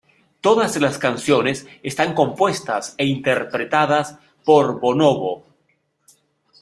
Todas las canciones están compuestas e interpretadas por Bonobo.